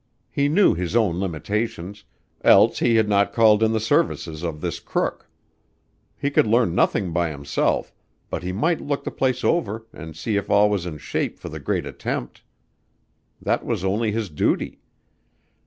He knew his own limitations, else he had not called in the services of this crook. He could learn nothing by himself, but he might look the place over and see if all was in shape for the great attempt. That was only his duty.